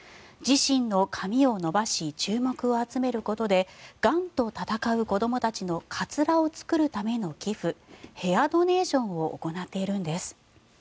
自身の髪を伸ばし注目を集めることでがんと闘う子どもたちのかつらを作るための寄付ヘアドネーションを行っているんです。